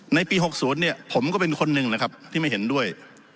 ในปี๖๐เนี่ยผมก็เป็นคนหนึ่งนะครับที่ไม่เห็นด้วย